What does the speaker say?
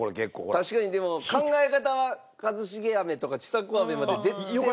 確かにでも考え方は一茂飴とかちさ子飴まで出てましたから。